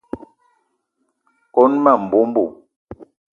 Kone ma mbomo.